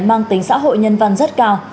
mang tính xã hội nhân văn rất cao